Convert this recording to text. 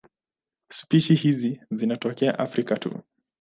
Spishi hizi zinatokea Afrika tu.